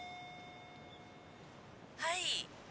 「はい」